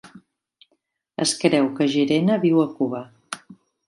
Es creu que Gerena viu a Cuba.